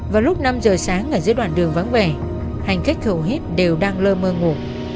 vào lúc năm giờ sáng ở dưới đoạn đường vắng vẻ hành khách hầu hết đều đang lơ mơ ngủ